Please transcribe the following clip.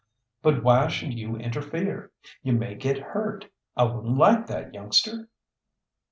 "But why should you interfere? You may get hurt. I wouldn't like that, youngster."